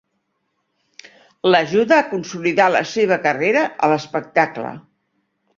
L'ajuda a consolidar la seva carrera a l'espectacle.